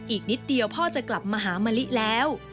อีกนิดเดียวพ่อจะกลับมาหามะลิแล้ว